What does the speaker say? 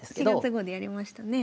４月号でやりましたね。